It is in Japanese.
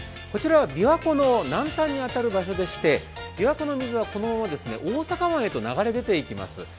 こちらは琵琶湖の南端に当たる場所でして琵琶湖の水はこのまま大阪湾へと流れ込んでいきます。